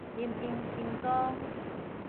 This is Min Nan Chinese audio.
林榮新光